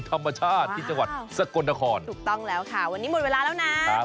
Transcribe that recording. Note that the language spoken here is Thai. ธรรมชาติที่จังหวัดสกลนครถูกต้องแล้วค่ะวันนี้หมดเวลาแล้วนะ